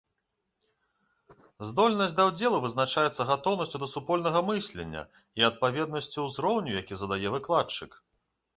Здольнасць да ўдзелу вызначаецца гатоўнасцю да супольнага мыслення і адпаведнасцю ўзроўню, які задае выкладчык.